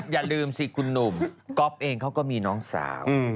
อย่าลืมสิคุณหนุ่มก๊อฟเองเขาก็มีน้องสาว